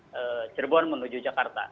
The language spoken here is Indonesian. dan jemput ke jokarta